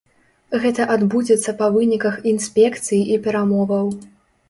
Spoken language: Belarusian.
Гэта адбудзецца па выніках інспекцыі і перамоваў.